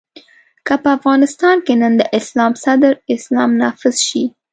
که په افغانستان کې نن د اسلام صدر اسلام نافذ شي.